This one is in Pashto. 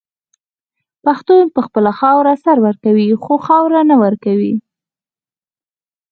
پښتون په خپله خاوره سر ورکوي خو خاوره نه ورکوي.